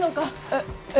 ええ？